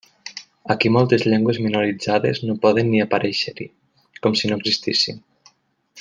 Aquí moltes llengües minoritzades no poden ni aparèixer-hi, com si no existissin.